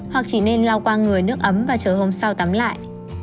hoặc chỉ nên lao qua người nước ấm và chờ hôm sau tắm lại